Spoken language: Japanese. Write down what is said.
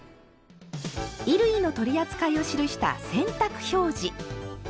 衣類の取り扱いを記した「洗濯表示」。